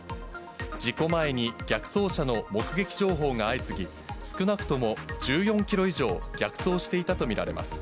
事故前に逆走車の目撃情報が相次ぎ、少なくとも１４キロ以上、逆走していたと見られます。